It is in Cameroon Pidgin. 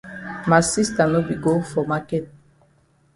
Ma sista no be go for maket.